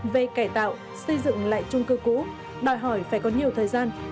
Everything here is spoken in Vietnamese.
về cải tạo xây dựng lại trung cư cũ đòi hỏi phải có nhiều thời gian